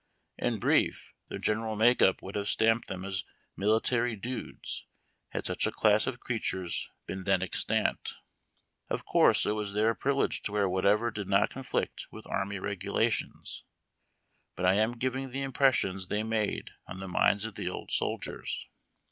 In brief, their general make up would have stamped them as military " dudes," had such a class of creatures been tlien extant. Of course, it was their privilege to wear whatever did not conflict with Army Regulations, but I am giving the impressions they made on the minds of the old soldiers.